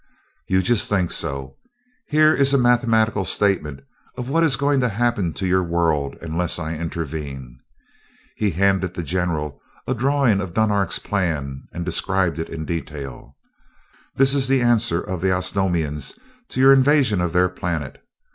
"You just think so. Here is a mathematical statement of what is going to happen to your world, unless I intervene." He handed the general a drawing of Dunark's plan and described it in detail. "That is the answer of the Osnomians to your invasion of their planet.